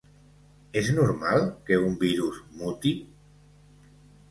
És normal que un virus muti?